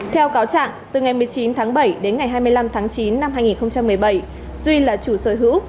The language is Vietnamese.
theo cáo trạng từ ngày một mươi chín tháng bảy đến ngày hai mươi năm tháng chín năm hai nghìn một mươi bảy duy là chủ sở hữu